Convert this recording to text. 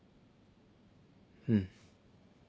うん。